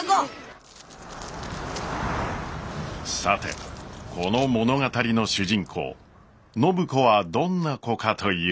さてこの物語の主人公暢子はどんな子かというと。